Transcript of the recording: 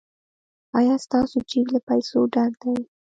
ایا ستاسو جیب له پیسو ډک دی؟